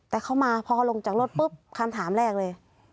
แต่เขามาพอลงจากรถปุ๊บคำถามแรกเลย